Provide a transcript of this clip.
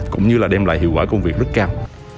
cũng như là đem lại hiệu quả công việc rất cao